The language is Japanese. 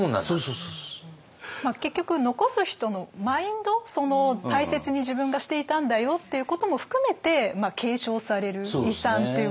結局残す人のマインド大切に自分がしていたんだよっていうことも含めて継承される遺産っていうことなんですよね。